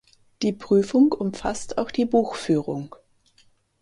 Die Prüfung umfasst auch die Buchführung.